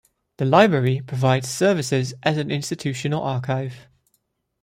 The library provides services as an institutional archive.